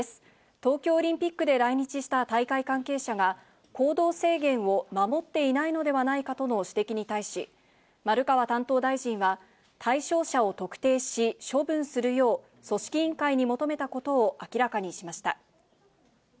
東京オリンピックで来日した大会関係者が、行動制限を守っていないのではないかとの指摘に対し、丸川担当大臣は、対象者を特定し、処分するよう、組織委員会に求めたことを明らかにしました。